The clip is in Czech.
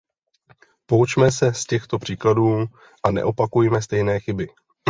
Poučme se z těchto příkladů a neopakujme stejné chyby.